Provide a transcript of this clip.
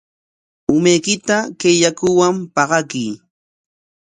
Umaykita kay yakuwan paqakuy.